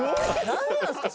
何なんすか？